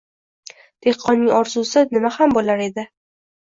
Dehqonning orzusi nima ham bo‘lar edi?